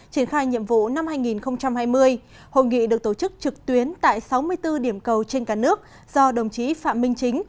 triển khai nhiệm vụ năm hai nghìn hai mươi hội nghị được tổ chức trực tuyến tại sáu mươi bốn điểm cầu trên cả nước do đồng chí phạm minh chính